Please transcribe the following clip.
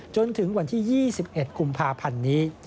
จนถึงวันที่๒๑กุมภาพันธ์นี้